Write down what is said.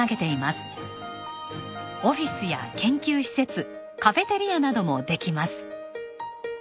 オフィスや研究施設カフェテリアなどもできます。